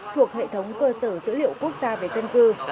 thuộc hệ thống cơ sở dữ liệu quốc gia về dân cư